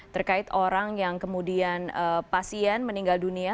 terkait orang yang kemudian pasien meninggal dunia